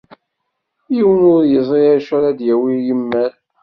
Yiwen ur yeẓri acu ara d-yawi yimal.